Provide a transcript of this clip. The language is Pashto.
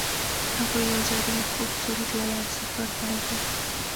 هغوی یوځای د محبوب سرود له لارې سفر پیل کړ.